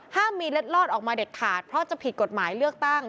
มีเล็ดลอดออกมาเด็ดขาดเพราะจะผิดกฎหมายเลือกตั้ง